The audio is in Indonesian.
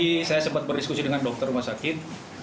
tadi saya sempat berdiskusi dengan dokter rumah sakit